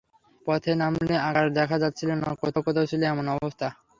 পথে নামলে আকাশ দেখা যাচ্ছিল না, কোথাও কোথাও ছিল এমন অবস্থা।